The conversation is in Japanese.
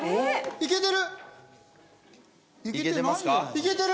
いけてる！